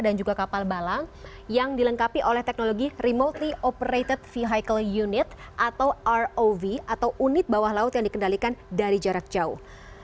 dan juga kapal balang yang dilengkapi oleh teknologi remotely operated vehicle unit atau rov atau unit bawah laut yang dikendalikan dari jarak jauh